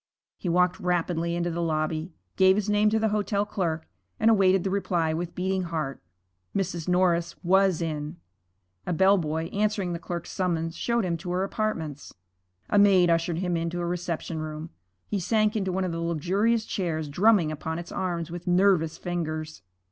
He walked rapidly into the lobby, gave his name to the hotel clerk, and awaited the reply with beating heart. Mrs. Norris was in. A bell boy, answering the clerk's summons, showed him to her apartments. A maid ushered him into a reception room. He sank into one of the luxurious chairs, drumming upon its arms with nervous fingers.